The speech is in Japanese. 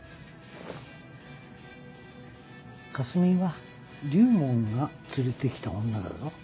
かすみは龍門が連れてきた女だぞ。